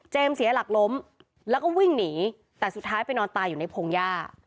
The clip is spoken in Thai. เสียหลักล้มแล้วก็วิ่งหนีแต่สุดท้ายไปนอนตายอยู่ในพงหญ้า